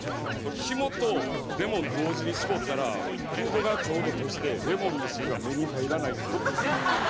ひもとレモン同時にしぼったらフードがちょうど閉じてレモンの汁が目に入らないっていう事に。